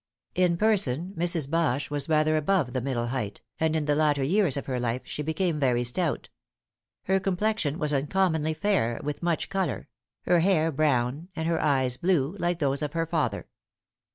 In person, Mrs. Bache was rather above the middle height, and in the latter years of her life she became very stout. Her complexion was uncommonly fair, with much color; her hair brown, and her eyes blue, like those of her father.